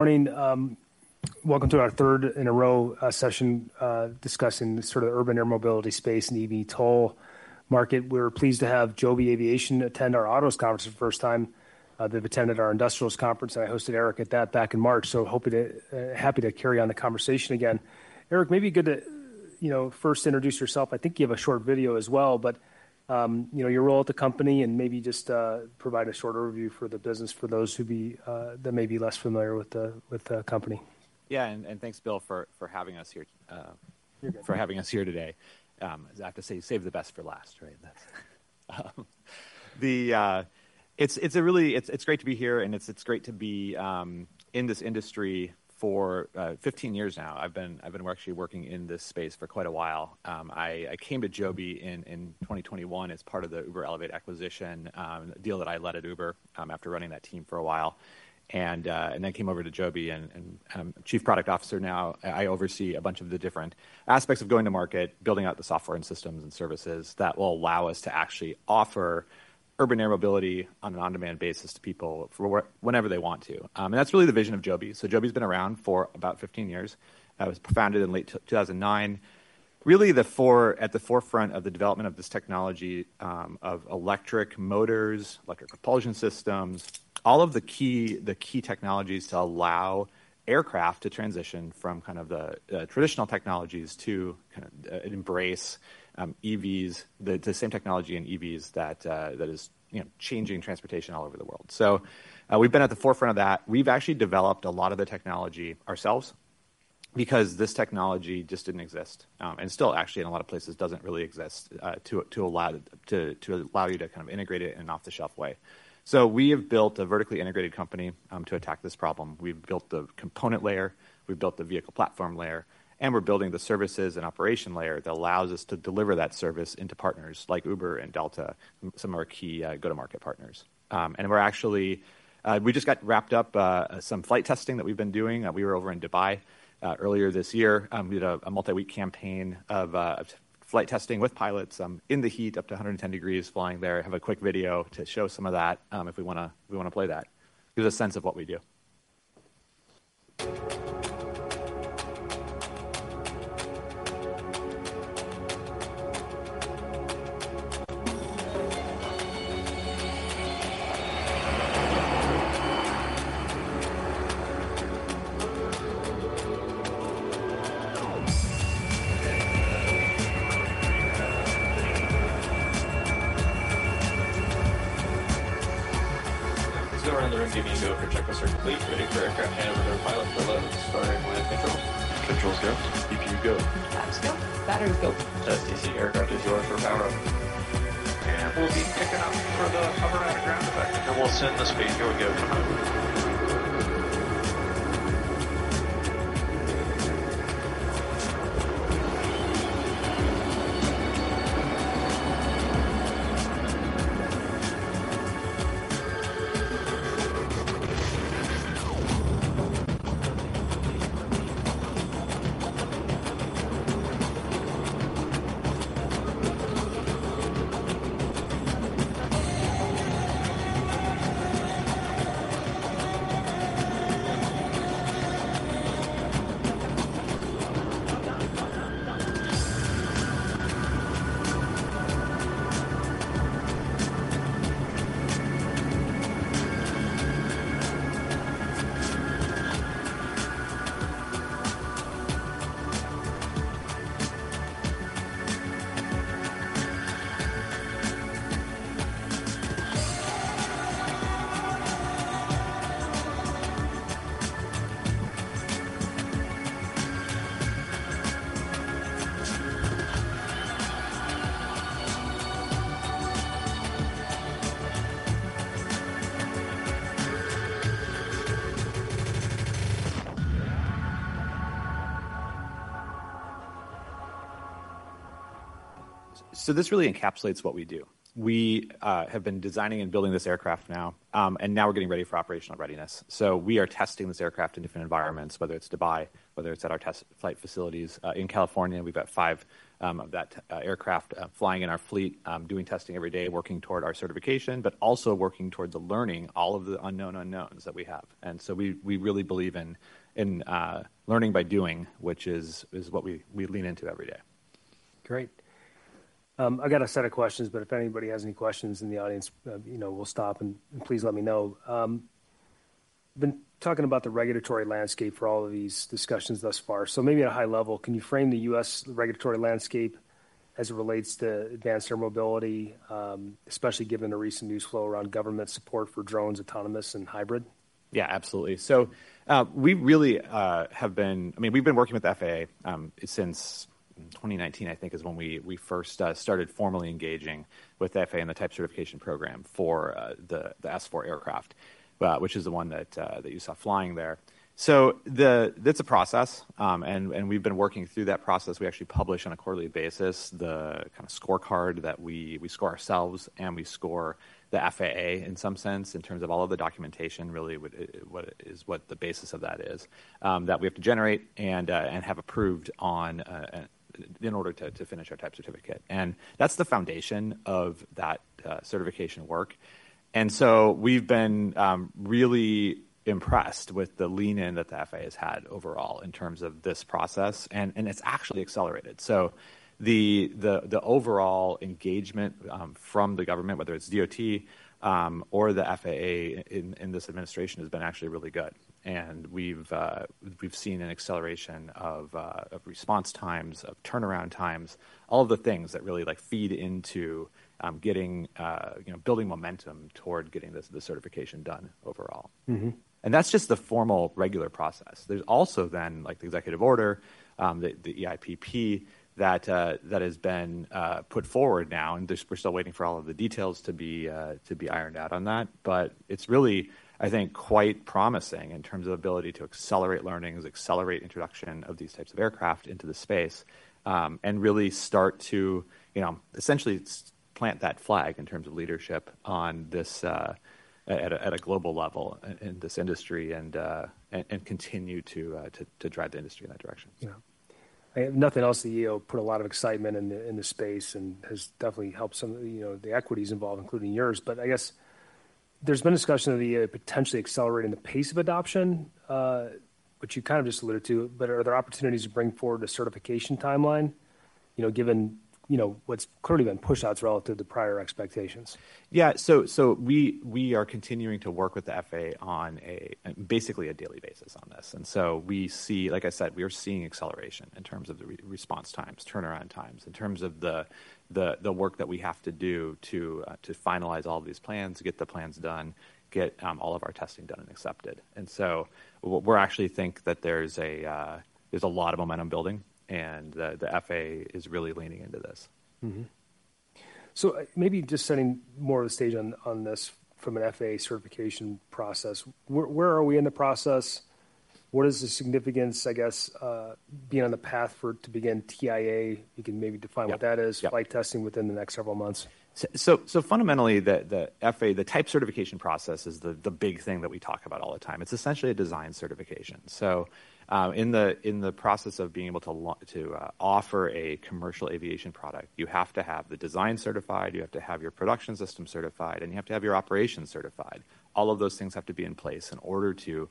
Morning. Welcome to our Third in a Row Session Discussing the Urban Air Mobility Space and eVTOL Market. We're pleased to have Joby Aviation attend our Autos Conference for the first time. They've attended our Industrials Conference. I hosted Eric at that back in March, so happy to carry on the conversation again. Eric, maybe good to first introduce yourself. I think you have a short video as well, but your role at the company and maybe just provide a short overview for the business for those who may be less familiar with the company. Yeah, and thanks, Bill, for having us here today. I have to say, save the best for last. Right? It's great to be here, and it's great to be in this industry for 15 years now. I've been actually working in this space for quite a while. I came to Joby in 2021 as part of the Uber Elevate acquisition, a deal that I led at Uber after running that team for a while. I came over to Joby, and I'm Chief Product Officer now. I oversee a bunch of the different aspects of going to market, building out the software and systems and services that will allow us to actually offer urban air mobility on an on-demand basis to people whenever they want to. That's really the vision of Joby. Joby's been around for about 15 years. It was founded in late 2009, really at the forefront of the development of this technology of electric motors, electric propulsion systems, all of the key technologies to allow aircraft to transition from kind of the traditional technologies to embrace the same technology in EVs that is changing transportation all over the world. We've been at the forefront of that. We've actually developed a lot of the technology ourselves because this technology just didn't exist. Still, actually, in a lot of places, doesn't really exist to allow you to kind of integrate it in an off-the-shelf way. We have built a vertically integrated company to attack this problem. We've built the component layer. We've built the vehicle platform layer. We're building the services and operation layer that allows us to deliver that service into partners like Uber and Delta, some of our key go-to-market partners. We just got wrapped up some flight testing that we've been doing. We were over in Dubai earlier this year. We did a multi-week campaign of flight testing with pilots in the heat, up to 110 °F, flying there. I have a quick video to show some of that if we want to play that. Gives a sense of what we do. Let's go around the room, giving you a quick checklist for complete. Ready for aircraft handover to pilot for load starting land control. Controls go. GPU go. Flaps go. Batteries go. Test DC aircraft is yours for power up. We'll be picking up for the hover out of ground effect. We'll send the speed. Here we go. This really encapsulates what we do. We have been designing and building this aircraft now, and now we're getting ready for operational readiness. We are testing this aircraft in different environments, whether it's Dubai, whether it's at our test flight facilities in California. We've got five of that aircraft flying in our fleet, doing testing every day, working toward our certification, but also working towards learning all of the unknown unknowns that we have. We really believe in learning by doing, which is what we lean into every day. Great. I've got a set of questions, but if anybody has any questions in the audience, we'll stop, and please let me know. We've been talking about the regulatory landscape for all of these discussions thus far. Maybe at a high level, can you frame the U.S. regulatory landscape as it relates to advanced air mobility, especially given the recent news flow around government support for drones, autonomous, and hybrid? Yeah, absolutely. We really have been—I mean, we've been working with the FAA since 2019, I think, is when we first started formally engaging with the FAA in the type certification program for the S4 aircraft, which is the one that you saw flying there. It is a process, and we've been working through that process. We actually publish on a quarterly basis the kind of scorecard that we score ourselves, and we score the FAA in some sense in terms of all of the documentation, really, what the basis of that is that we have to generate and have approved in order to finish our type certificate. That is the foundation of that certification work. We've been really impressed with the lean-in that the FAA has had overall in terms of this process, and it's actually accelerated. The overall engagement from the government, whether it's DOT or the FAA in this administration, has been actually really good. We've seen an acceleration of response times, of turnaround times, all of the things that really feed into building momentum toward getting the certification done overall. That's just the formal regular process. There's also then the executive order, the eIPP, that has been put forward now. We're still waiting for all of the details to be ironed out on that. It's really, I think, quite promising in terms of ability to accelerate learnings, accelerate introduction of these types of aircraft into the space, and really start to essentially plant that flag in terms of leadership at a global level in this industry and continue to drive the industry in that direction. Yeah. I know Elon CEO put a lot of excitement in the space and has definitely helped some of the equities involved, including yours. I guess there's been discussion of potentially accelerating the pace of adoption, which you kind of just alluded to. Are there opportunities to bring forward a certification timeline, given what's clearly been pushed out relative to prior expectations? Yeah. We are continuing to work with the FAA on basically a daily basis on this. We see, like I said, we are seeing acceleration in terms of the response times, turnaround times, in terms of the work that we have to do to finalize all these plans, get the plans done, get all of our testing done and accepted. We actually think that there's a lot of momentum building, and the FAA is really leaning into this. Maybe just setting more of the stage on this from an FAA certification process. Where are we in the process? What is the significance, I guess, being on the path to begin TIA? You can maybe define what that is, flight testing within the next several months. Fundamentally, the type certification process is the big thing that we talk about all the time. It's essentially a design certification. In the process of being able to offer a commercial aviation product, you have to have the design certified. You have to have your production system certified, and you have to have your operations certified. All of those things have to be in place in order to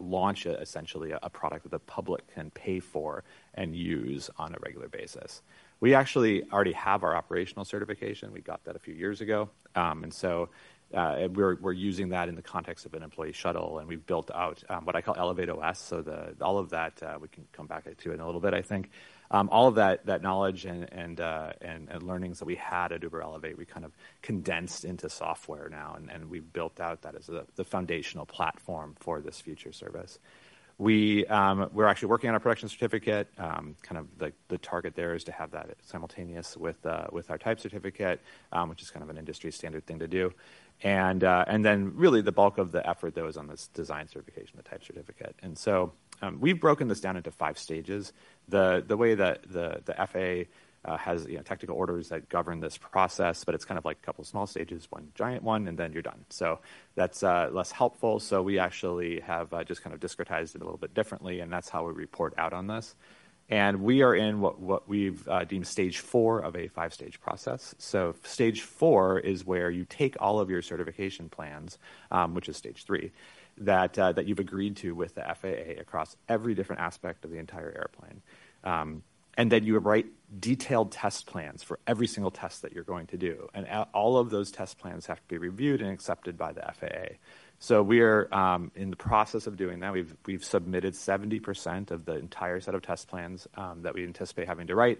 launch essentially a product that the public can pay for and use on a regular basis. We actually already have our operational certification. We got that a few years ago. We're using that in the context of an employee shuttle, and we've built out what I call ElevateOS. All of that, we can come back to in a little bit, I think. All of that knowledge and learnings that we had at Uber Elevate, we kind of condensed into software now, and we've built out that as the foundational platform for this future service. We're actually working on a production certificate. The target there is to have that simultaneous with our type certificate, which is kind of an industry standard thing to do. Really the bulk of the effort, though, is on this design certification, the type certificate. We have broken this down into five stages. The way that the FAA has technical orders that govern this process, but it's kind of like a couple of small stages, one giant one, and then you're done. That is less helpful. We actually have just kind of discretized it a little bit differently, and that's how we report out on this. We are in what we've deemed stage 4 of a five-stage process. Stage 4 is where you take all of your certification plans, which is stage 3, that you've agreed to with the FAA across every different aspect of the entire airplane. Then you write detailed test plans for every single test that you're going to do. All of those test plans have to be reviewed and accepted by the FAA. We are in the process of doing that. We've submitted 70% of the entire set of test plans that we anticipate having to write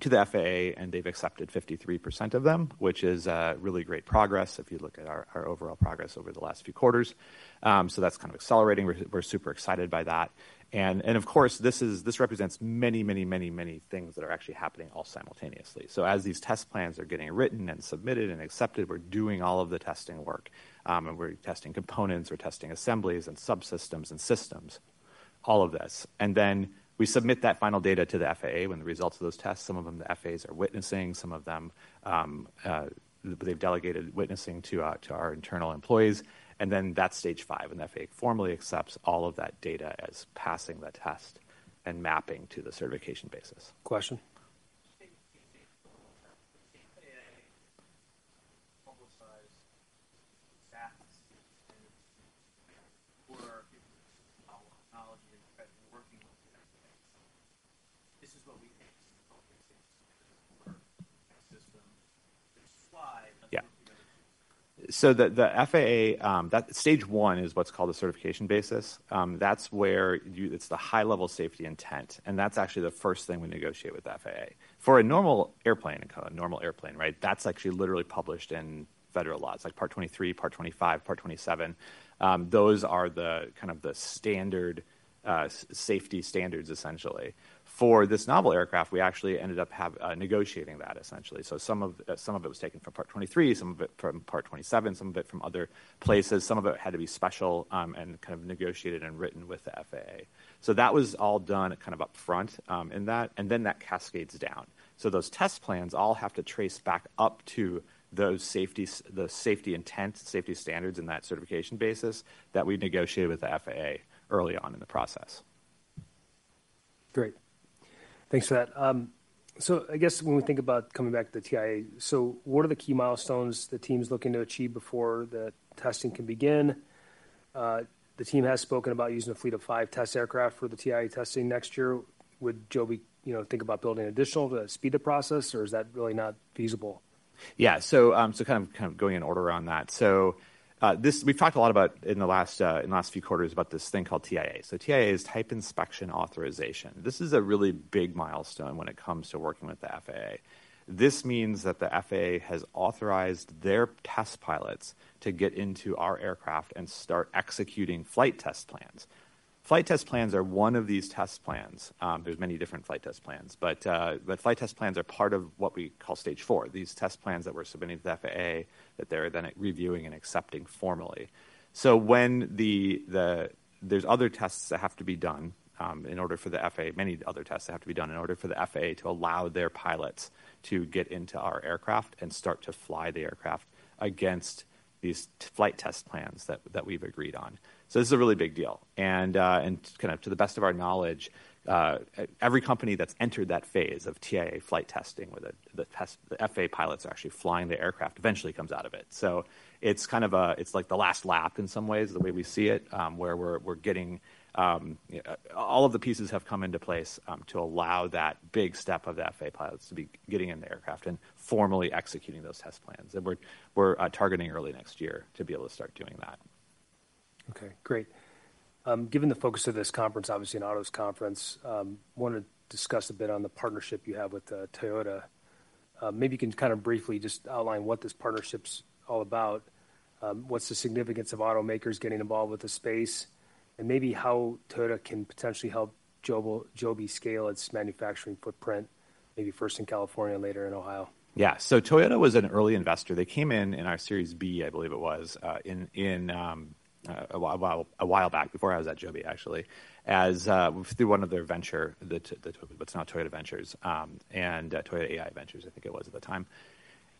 to the FAA, and they've accepted 53% of them, which is really great progress if you look at our overall progress over the last few quarters. That is kind of accelerating. We're super excited by that. Of course, this represents many, many, many, many things that are actually happening all simultaneously. As these test plans are getting written and submitted and accepted, we're doing all of the testing work. We're testing components, we're testing assemblies and subsystems and systems, all of this. We submit that final data to the FAA when the results of those tests, some of them the FAA is witnessing, some of them they've delegated witnessing to our internal employees. That's stage 5. The FAA formally accepts all of that data as passing the test and mapping to the certification basis. Question? Safety data is publicized and for our people to knowledge and working with the FAA. This is what we think is the public safety basis for a system that. Fly, that's working with. The FAA, stage 1 is what's called the certification basis. That's where it's the high-level safety intent. That's actually the first thing we negotiate with the FAA. For a normal airplane, a normal airplane, right, that's actually literally published in federal laws. It's like part 23, part 25, part 27. Those are kind of the standard safety standards, essentially. For this novel aircraft, we actually ended up negotiating that, essentially. Some of it was taken from part 23, some of it from part 27, some of it from other places. Some of it had to be special and kind of negotiated and written with the FAA. That was all done kind of upfront in that. That cascades down. Those test plans all have to trace back up to those safety intent, safety standards in that certification basis that we negotiated with the FAA early on in the process. Great. Thanks for that. I guess when we think about coming back to the TIA, what are the key milestones the team's looking to achieve before the testing can begin? The team has spoken about using a fleet of five test aircraft for the TIA testing next year. Would Joby think about building additional to speed the process, or is that really not feasible? Yeah. Kind of going in order on that. We've talked a lot about in the last few quarters about this thing called TIA. TIA is Type Inspection Authorization. This is a really big milestone when it comes to working with the FAA. This means that the FAA has authorized their test pilots to get into our aircraft and start executing flight test plans. Flight test plans are one of these test plans. There are many different flight test plans. Flight test plans are part of what we call stage four, these test plans that we're submitting to the FAA that they're then reviewing and accepting formally. When there are other tests that have to be done in order for the FAA, many other tests that have to be done in order for the FAA to allow their pilots to get into our aircraft and start to fly the aircraft against these flight test plans that we have agreed on. This is a really big deal. Kind of to the best of our knowledge, every company that has entered that phase of TIA flight testing where the FAA pilots are actually flying the aircraft eventually comes out of it. It is kind of like the last lap in some ways, the way we see it, where all of the pieces have come into place to allow that big step of the FAA pilots getting in the aircraft and formally executing those test plans. We're targeting early next year to be able to start doing that. Okay. Great. Given the focus of this conference, obviously an auto's conference, I want to discuss a bit on the partnership you have with Toyota. Maybe you can kind of briefly just outline what this partnership's all about, what's the significance of automakers getting involved with the space, and maybe how Toyota can potentially help Joby scale its manufacturing footprint, maybe first in California, later in Ohio. Yeah. Toyota was an early investor. They came in in our Series B, I believe it was, a while back before I was at Joby, actually, through one of their ventures, what's now Toyota Ventures and Toyota AI Ventures, I think it was at the time.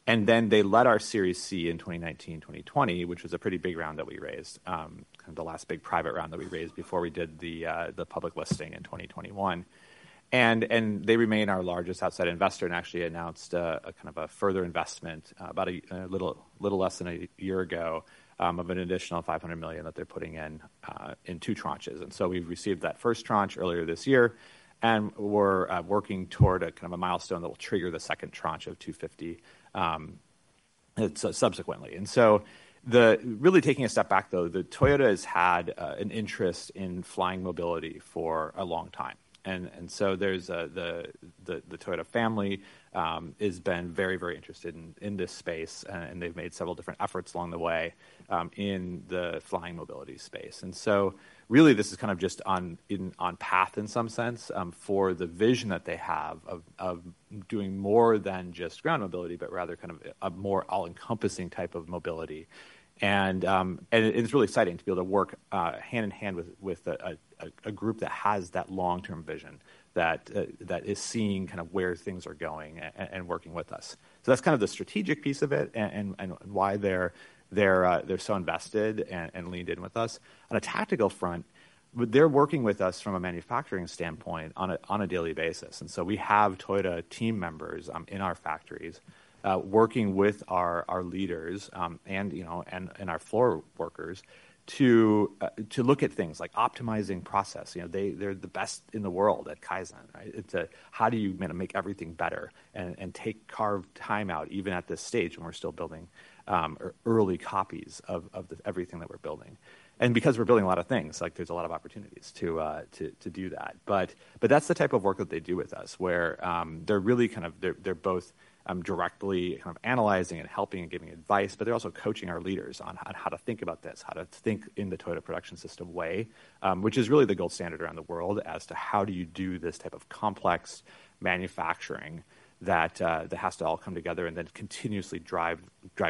They led our Series C in 2019, 2020, which was a pretty big round that we raised, kind of the last big private round that we raised before we did the public listing in 2021. They remain our largest outside investor and actually announced kind of a further investment about a little less than a year ago of an additional $500 million that they're putting in two tranches. We received that first tranche earlier this year and we're working toward kind of a milestone that will trigger the second tranche of $250 million subsequently. Really taking a step back, though, Toyota has had an interest in flying mobility for a long time. The Toyota family has been very, very interested in this space, and they've made several different efforts along the way in the flying mobility space. Really, this is kind of just on path in some sense for the vision that they have of doing more than just ground mobility, but rather kind of a more all-encompassing type of mobility. It's really exciting to be able to work hand in hand with a group that has that long-term vision that is seeing kind of where things are going and working with us. That's kind of the strategic piece of it and why they're so invested and leaned in with us. On a tactical front, they're working with us from a manufacturing standpoint on a daily basis. We have Toyota team members in our factories working with our leaders and our floor workers to look at things like optimizing process. They're the best in the world at Kaizen. It's how do you make everything better and carve time out, even at this stage when we're still building early copies of everything that we're building. Because we're building a lot of things, there's a lot of opportunities to do that. That is the type of work that they do with us, where they are really kind of both directly kind of analyzing and helping and giving advice, but they are also coaching our leaders on how to think about this, how to think in the Toyota production system way, which is really the gold standard around the world as to how do you do this type of complex manufacturing that has to all come together and then continuously drive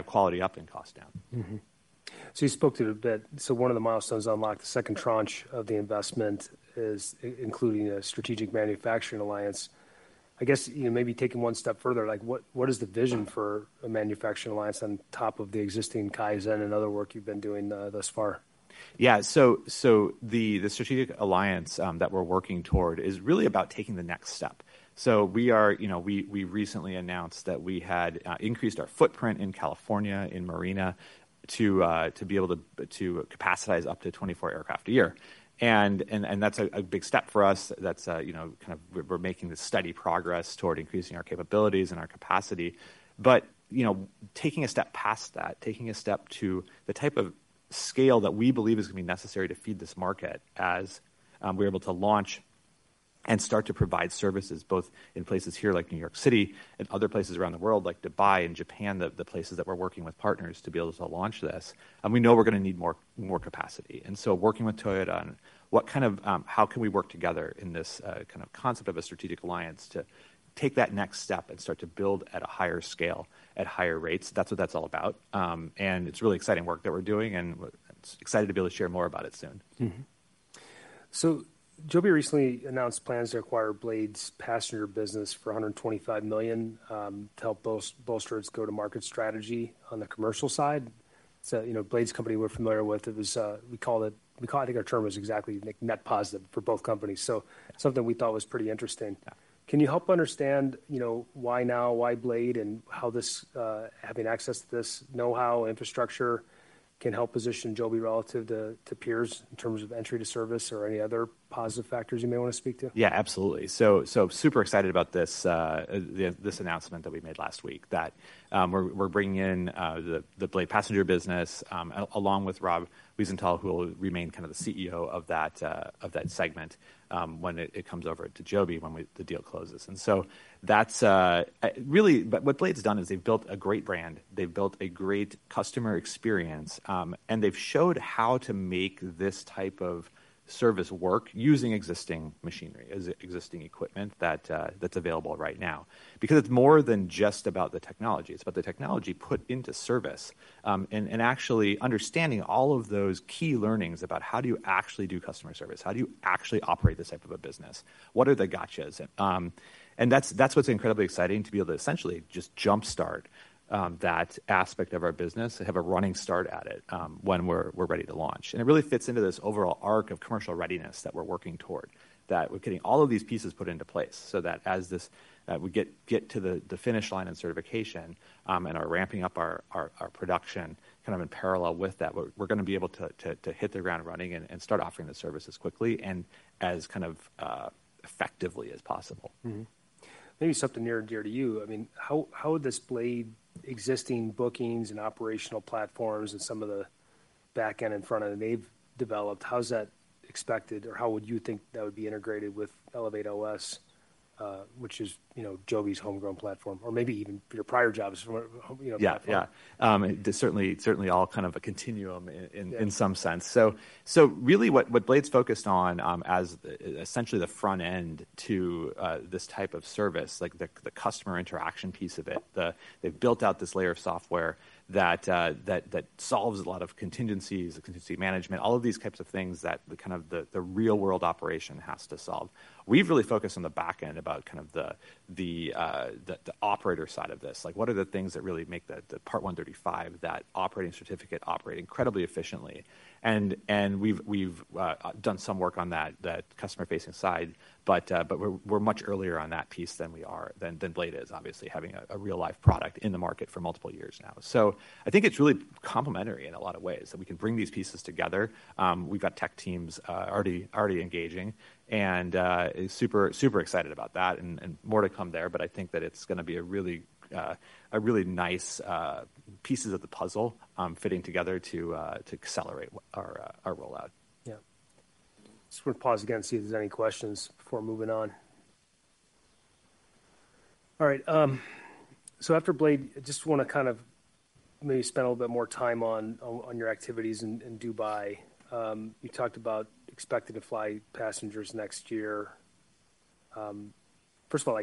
quality up and cost down. You spoke to it a bit. One of the milestones unlocked the second tranche of the investment is including a strategic manufacturing alliance. I guess maybe taking one step further, what is the vision for a manufacturing alliance on top of the existing Kaizen and other work you've been doing thus far? Yeah. The strategic alliance that we're working toward is really about taking the next step. We recently announced that we had increased our footprint in California, in Marina, to be able to capacitize up to 24 aircraft a year. That's a big step for us. We're making this steady progress toward increasing our capabilities and our capacity. Taking a step past that, taking a step to the type of scale that we believe is going to be necessary to feed this market as we're able to launch and start to provide services both in places here like New York City and other places around the world like Dubai and Japan, the places that we're working with partners to be able to launch this. We know we're going to need more capacity. Working with Toyota on what kind of how can we work together in this kind of concept of a strategic alliance to take that next step and start to build at a higher scale, at higher rates. That is what that is all about. It is really exciting work that we are doing, and excited to be able to share more about it soon. Joby recently announced plans to acquire Blade's passenger business for $125 million to help bolster its go-to-market strategy on the commercial side. Blade's company, we're familiar with. We call it, I think our term was exactly net positive for both companies. Something we thought was pretty interesting. Can you help understand why now, why Blade, and how having access to this know-how, infrastructure can help position Joby relative to peers in terms of entry to service or any other positive factors you may want to speak to? Yeah, absolutely. Super excited about this announcement that we made last week that we're bringing in the Blade Passenger Business along with Rob Wiesenthal, who will remain kind of the CEO of that segment when it comes over to Joby when the deal closes. What Blade's done is they've built a great brand. They've built a great customer experience, and they've showed how to make this type of service work using existing machinery, existing equipment that's available right now. Because it's more than just about the technology. It's about the technology put into service and actually understanding all of those key learnings about how do you actually do customer service, how do you actually operate this type of a business, what are the gotchas. That's what's incredibly exciting, to be able to essentially just jump-start that aspect of our business, have a running start at it when we're ready to launch. It really fits into this overall arc of commercial readiness that we're working toward, that we're getting all of these pieces put into place so that as we get to the finish line and certification and are ramping up our production kind of in parallel with that, we're going to be able to hit the ground running and start offering the services quickly and as kind of effectively as possible. Maybe something near and dear to you. I mean, how would this Blade existing bookings and operational platforms and some of the backend and front of the nave developed, how's that expected or how would you think that would be integrated with ElevateOS, which is Joby's homegrown platform or maybe even your prior jobs? Yeah, yeah. Certainly all kind of a continuum in some sense. Really what Blade's focused on as essentially the front end to this type of service, like the customer interaction piece of it, they've built out this layer of software that solves a lot of contingencies, contingency management, all of these types of things that kind of the real-world operation has to solve. We've really focused on the backend about kind of the operator side of this. What are the things that really make the Part 135, that operating certificate operate incredibly efficiently? We've done some work on that customer-facing side, but we're much earlier on that piece than Blade is, obviously having a real-life product in the market for multiple years now. I think it's really complementary in a lot of ways that we can bring these pieces together. We've got tech teams already engaging and super excited about that and more to come there. I think that it's going to be a really nice pieces of the puzzle fitting together to accelerate our rollout. Yeah. Just want to pause again and see if there's any questions before moving on. All right. After Blade, I just want to kind of maybe spend a little bit more time on your activities in Dubai. You talked about expected to fly passengers next year. First of all,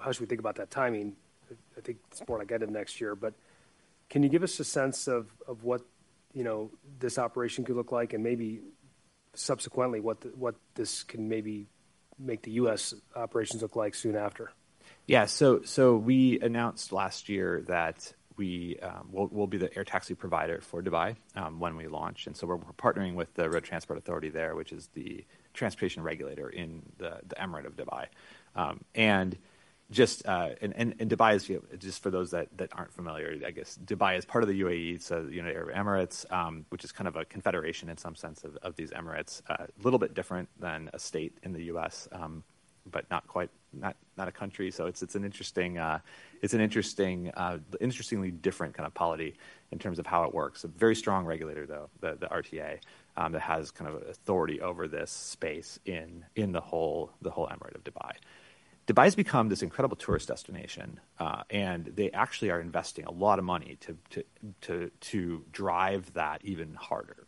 how should we think about that timing? I think it's more like end of next year. Can you give us a sense of what this operation could look like and maybe subsequently what this can maybe make the U.S. operations look like soon after? Yeah. We announced last year that we'll be the air taxi provider for Dubai when we launch. We are partnering with the Road Transport Authority there, which is the transportation regulator in the Emirate of Dubai. Dubai is, just for those that aren't familiar, I guess Dubai is part of the UAE, so the United Arab Emirates, which is kind of a confederation in some sense of these Emirates, a little bit different than a state in the U.S., but not quite a country. It is an interestingly different kind of polity in terms of how it works. A very strong regulator, though, the RTA, that has kind of authority over this space in the whole Emirate of Dubai. Dubai's become this incredible tourist destination, and they actually are investing a lot of money to drive that even harder.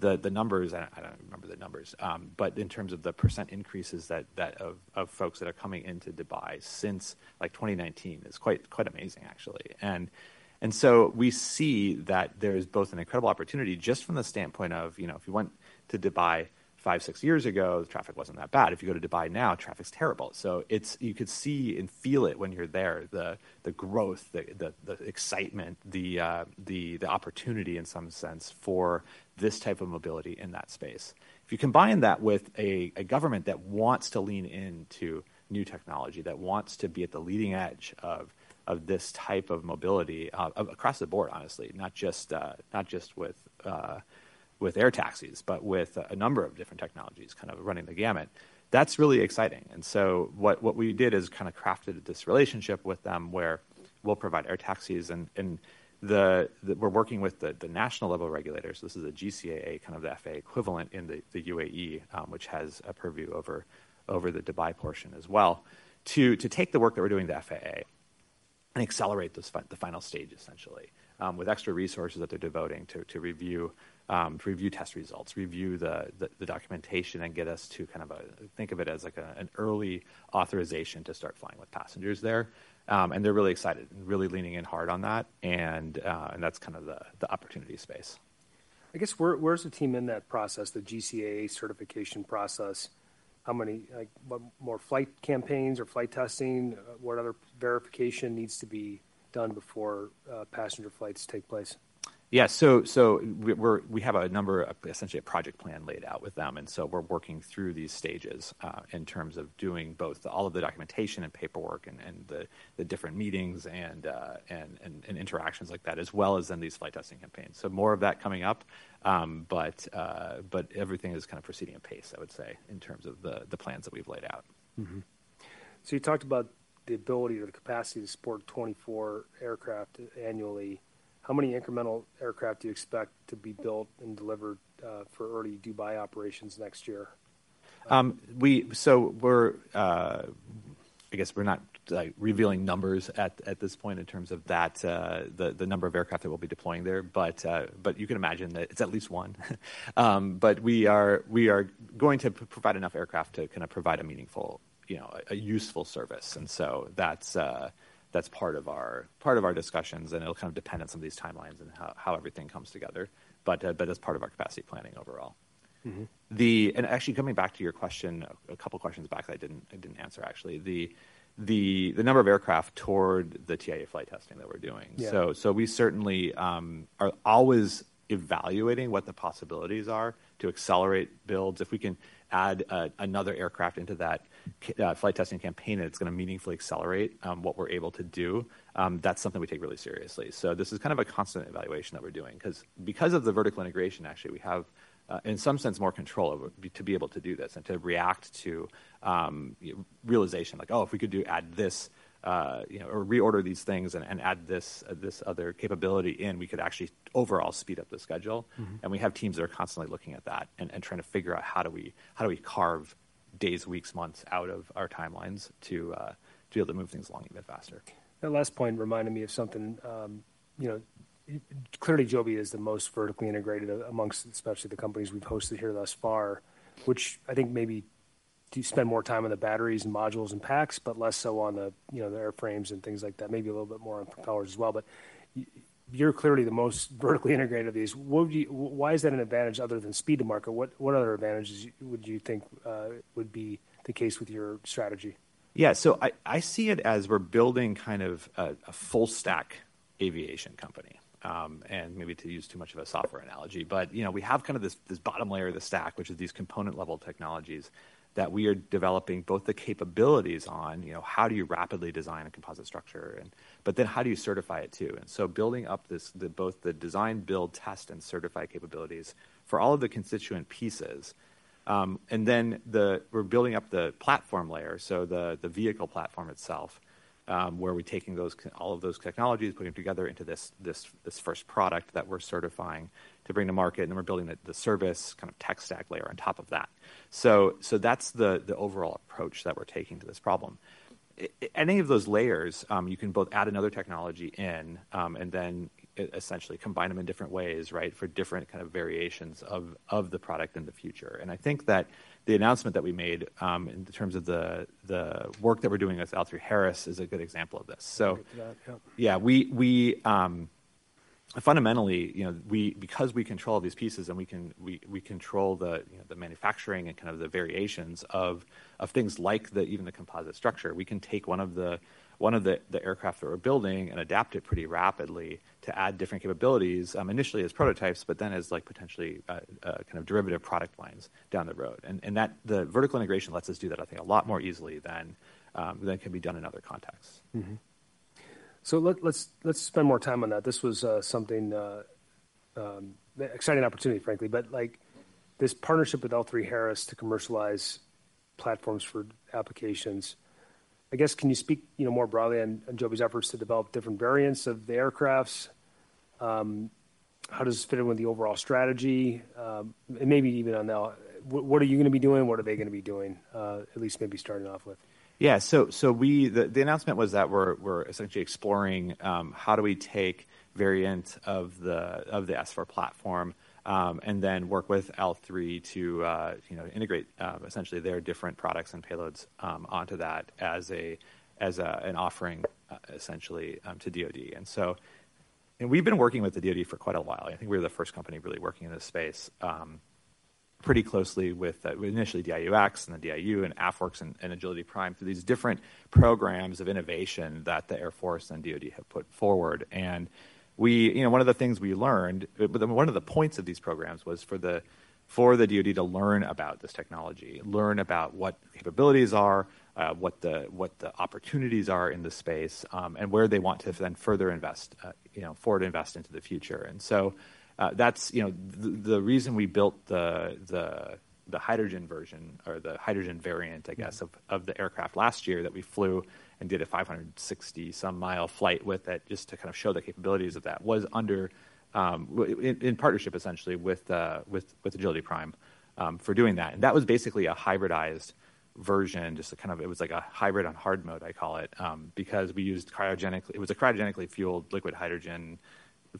The numbers, I don't remember the numbers, but in terms of the percent increases of folks that are coming into Dubai since like 2019 is quite amazing, actually. We see that there's both an incredible opportunity just from the standpoint of if you went to Dubai five, six years ago, the traffic wasn't that bad. If you go to Dubai now, traffic's terrible. You could see and feel it when you're there, the growth, the excitement, the opportunity in some sense for this type of mobility in that space. If you combine that with a government that wants to lean into new technology, that wants to be at the leading edge of this type of mobility across the board, honestly, not just with air taxis, but with a number of different technologies kind of running the gamut, that's really exciting. What we did is kind of crafted this relationship with them where we'll provide air taxis and we're working with the national level regulators. This is a GCAA, kind of the FAA equivalent in the UAE, which has a purview over the Dubai portion as well, to take the work that we're doing with the FAA and accelerate the final stage, essentially, with extra resources that they're devoting to review test results, review the documentation, and get us to kind of think of it as like an early authorization to start flying with passengers there. They're really excited and really leaning in hard on that. That's kind of the opportunity space. I guess where's the team in that process, the GCAA certification process? How many more flight campaigns or flight testing? What other verification needs to be done before passenger flights take place? Yeah. We have a number of essentially a project plan laid out with them. We are working through these stages in terms of doing both all of the documentation and paperwork and the different meetings and interactions like that, as well as then these flight testing campaigns. More of that coming up, but everything is kind of proceeding apace, I would say, in terms of the plans that we have laid out. You talked about the ability or the capacity to support 24 aircraft annually. How many incremental aircraft do you expect to be built and delivered for early Dubai operations next year? I guess we're not revealing numbers at this point in terms of the number of aircraft that we'll be deploying there. You can imagine that it's at least one. We are going to provide enough aircraft to kind of provide a meaningful, a useful service. That's part of our discussions, and it'll kind of depend on some of these timelines and how everything comes together, but that's part of our capacity planning overall. Actually, coming back to your question, a couple of questions back that I didn't answer, actually, the number of aircraft toward the TIA flight testing that we're doing. We certainly are always evaluating what the possibilities are to accelerate builds. If we can add another aircraft into that flight testing campaign, it's going to meaningfully accelerate what we're able to do. That's something we take really seriously. This is kind of a constant evaluation that we're doing. Because of the vertical integration, actually, we have in some sense more control to be able to do this and to react to realization like, oh, if we could add this or reorder these things and add this other capability in, we could actually overall speed up the schedule. We have teams that are constantly looking at that and trying to figure out how do we carve days, weeks, months out of our timelines to be able to move things along even faster. That last point reminded me of something. Clearly, Joby is the most vertically integrated amongst especially the companies we've hosted here thus far, which I think maybe do spend more time on the batteries and modules and packs, but less so on the airframes and things like that, maybe a little bit more on propellers as well. You are clearly the most vertically integrated of these. Why is that an advantage other than speed to market? What other advantages would you think would be the case with your strategy? Yeah. I see it as we're building kind of a full-stack aviation company. Maybe to use too much of a software analogy, but we have kind of this bottom layer of the stack, which is these component-level technologies that we are developing, both the capabilities on how do you rapidly design a composite structure, but then how do you certify it too. Building up both the design, build, test, and certify capabilities for all of the constituent pieces. Then we're building up the platform layer, so the vehicle platform itself, where we're taking all of those technologies, putting them together into this first product that we're certifying to bring to market. We're building the service kind of tech stack layer on top of that. That's the overall approach that we're taking to this problem. Any of those layers, you can both add another technology in and then essentially combine them in different ways for different kind of variations of the product in the future. I think that the announcement that we made in terms of the work that we're doing with L3Harris Technologies is a good example of this. I'll get to that. Yeah. Fundamentally, because we control these pieces and we control the manufacturing and kind of the variations of things like even the composite structure, we can take one of the aircraft that we're building and adapt it pretty rapidly to add different capabilities initially as prototypes, but then as potentially kind of derivative product lines down the road. The vertical integration lets us do that, I think, a lot more easily than can be done in other contexts. Let's spend more time on that. This was something exciting opportunity, frankly. This partnership with L3Harris to commercialize platforms for applications, I guess, can you speak more broadly on Joby's efforts to develop different variants of the aircraft? How does this fit in with the overall strategy? Maybe even on what are you going to be doing? What are they going to be doing, at least maybe starting off with? Yeah. The announcement was that we're essentially exploring how do we take variants of the S4 platform and then work with L3 to integrate essentially their different products and payloads onto that as an offering essentially to DOD. We've been working with the DOD for quite a while. I think we were the first company really working in this space pretty closely with initially DIUx and the DIU and AFWERX and Agility Prime through these different programs of innovation that the Air Force and DOD have put forward. One of the things we learned, one of the points of these programs was for the DOD to learn about this technology, learn about what capabilities are, what the opportunities are in the space, and where they want to then further invest, forward invest into the future. That's the reason we built the hydrogen version or the hydrogen variant, I guess, of the aircraft last year that we flew and did a 560-some-mile flight with it just to kind of show the capabilities of that. That was in partnership essentially with Agility Prime for doing that. That was basically a hybridized version. It was like a hybrid on hard mode, I call it, because we used cryogenically—it was a cryogenically fueled liquid hydrogen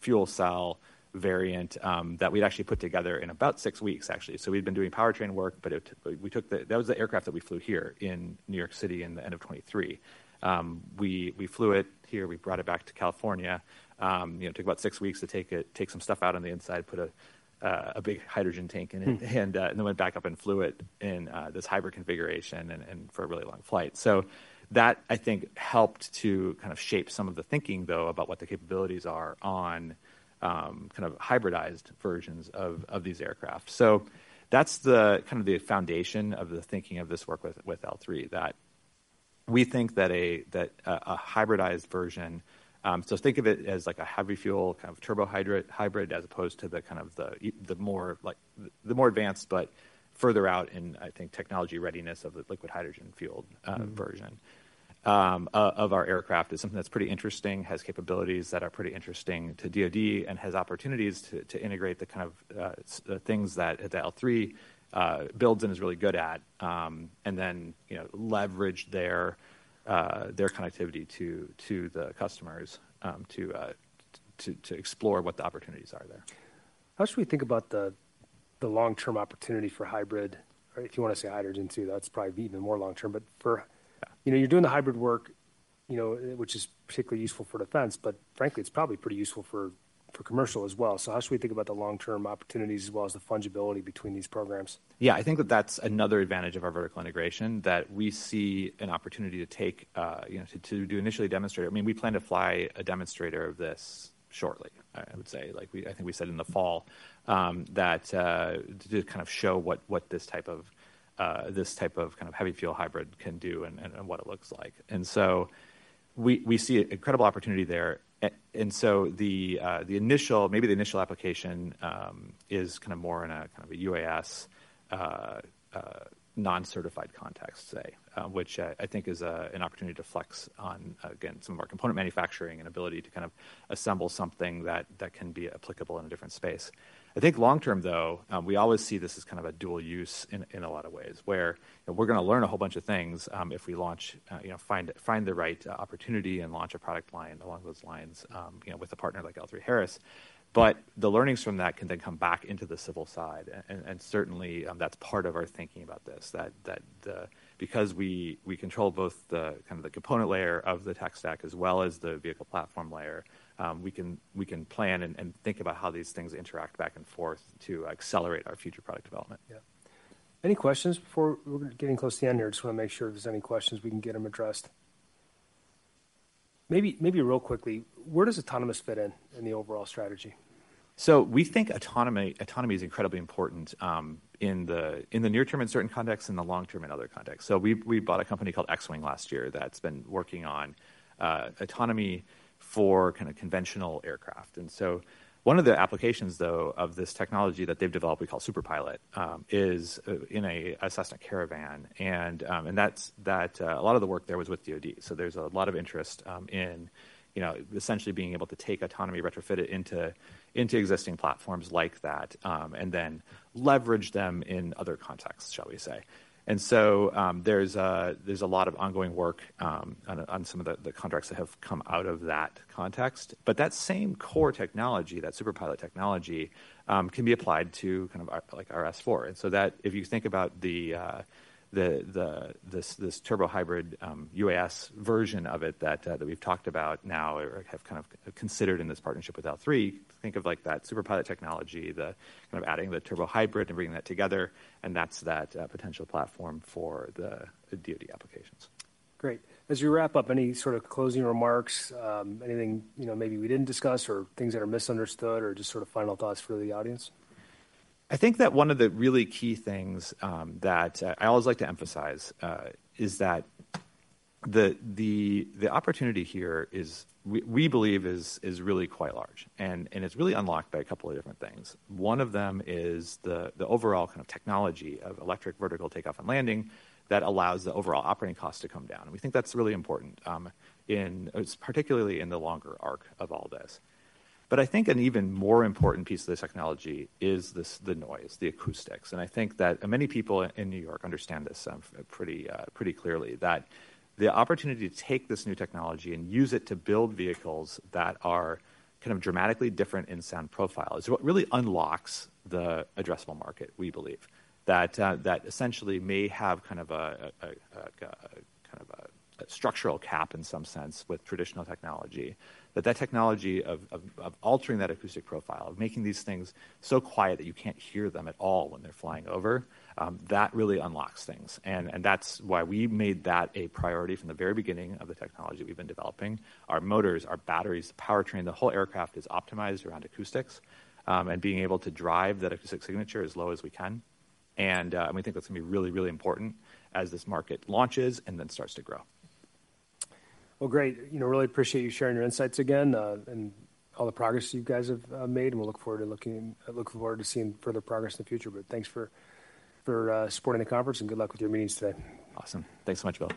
fuel cell variant that we'd actually put together in about six weeks, actually. We'd been doing powertrain work, but that was the aircraft that we flew here in New York City in the end of 2023. We flew it here. We brought it back to California. It took about six weeks to take some stuff out on the inside, put a big hydrogen tank in it, and then went back up and flew it in this hybrid configuration for a really long flight. That, I think, helped to kind of shape some of the thinking, though, about what the capabilities are on kind of hybridized versions of these aircraft. That's kind of the foundation of the thinking of this work with L3, that we think that a hybridized version, so think of it as like a heavy fuel kind of turbohybrid as opposed to the more advanced but further out in, I think, technology readiness of the liquid hydrogen fuel version of our aircraft, is something that's pretty interesting, has capabilities that are pretty interesting to DOD, and has opportunities to integrate the kind of things that L3 builds and is really good at, and then leverage their connectivity to the customers to explore what the opportunities are there. How should we think about the long-term opportunity for hybrid? If you want to say hydrogen too, that's probably even more long-term. You're doing the hybrid work, which is particularly useful for defense, but frankly, it's probably pretty useful for commercial as well. How should we think about the long-term opportunities as well as the fungibility between these programs? Yeah. I think that that's another advantage of our vertical integration that we see an opportunity to take to initially demonstrate. I mean, we plan to fly a demonstrator of this shortly, I would say. I think we said in the fall that to kind of show what this type of kind of heavy fuel hybrid can do and what it looks like. We see an incredible opportunity there. Maybe the initial application is kind of more in a kind of UAS non-certified context, say, which I think is an opportunity to flex on, again, some of our component manufacturing and ability to kind of assemble something that can be applicable in a different space. I think long-term, though, we always see this as kind of a dual use in a lot of ways where we're going to learn a whole bunch of things if we find the right opportunity and launch a product line along those lines with a partner like L3Harris. The learnings from that can then come back into the civil side. Certainly, that's part of our thinking about this, that because we control both kind of the component layer of the tech stack as well as the vehicle platform layer, we can plan and think about how these things interact back and forth to accelerate our future product development. Yeah. Any questions before we're getting close to the end here? Just want to make sure if there's any questions we can get them addressed. Maybe real quickly, where does autonomous fit in in the overall strategy? We think autonomy is incredibly important in the near-term in certain contexts and the long-term in other contexts. We bought a company called Xwing last year that's been working on autonomy for kind of conventional aircraft. One of the applications of this technology that they've developed we call Superpilot is in a Cessna Caravan. A lot of the work there was with DOD. There's a lot of interest in essentially being able to take autonomy, retrofit it into existing platforms like that, and then leverage them in other contexts, shall we say. There's a lot of ongoing work on some of the contracts that have come out of that context. That same core technology, that Superpilot technology, can be applied to kind of our S4. If you think about this turbohybrid UAS version of it that we've talked about now or have kind of considered in this partnership with L3, think of that Superpilot technology, kind of adding the turbohybrid and bringing that together. That is that potential platform for the DOD applications. Great. As we wrap up, any sort of closing remarks, anything maybe we didn't discuss or things that are misunderstood or just sort of final thoughts for the audience? I think that one of the really key things that I always like to emphasize is that the opportunity here is, we believe, is really quite large. It's really unlocked by a couple of different things. One of them is the overall kind of technology of electric vertical takeoff and landing that allows the overall operating cost to come down. We think that's really important, particularly in the longer arc of all this. I think an even more important piece of this technology is the noise, the acoustics. I think that many people in New York understand this pretty clearly, that the opportunity to take this new technology and use it to build vehicles that are kind of dramatically different in sound profile is what really unlocks the addressable market, we believe, that essentially may have kind of a structural cap in some sense with traditional technology. That technology of altering that acoustic profile, of making these things so quiet that you can't hear them at all when they're flying over, that really unlocks things. That is why we made that a priority from the very beginning of the technology we've been developing. Our motors, our batteries, the powertrain, the whole aircraft is optimized around acoustics and being able to drive that acoustic signature as low as we can. We think that's going to be really, really important as this market launches and then starts to grow. Really appreciate you sharing your insights again and all the progress you guys have made. We look forward to seeing further progress in the future. Thanks for supporting the conference and good luck with your meetings today. Awesome. Thanks so much, Bill.